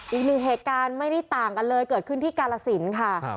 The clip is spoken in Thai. อีกหนึ่งเหตุการณ์ไม่ได้ต่างกันเลยเกิดขึ้นที่กาลสินค่ะ